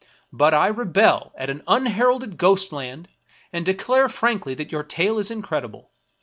But I rebel at an unheralded ghostland, and declare frankly that your tale is incredible.